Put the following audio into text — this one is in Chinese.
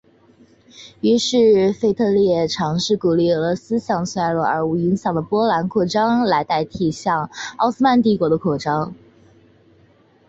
于是腓特烈尝试鼓励俄罗斯向衰弱而无影响力的波兰扩张来代替向奥斯曼帝国的扩张。